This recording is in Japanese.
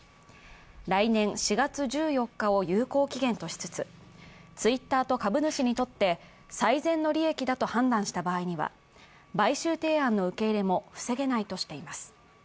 来年４月１４日を有効期限としつつツイッターと株主にとって最善の利益だと判断した場合には、買収提案の受け入れも防げないとしています。